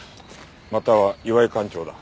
または岩井館長だ。